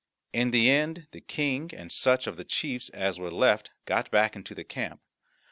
In the end the King and such of the chiefs as were left got back into the camp.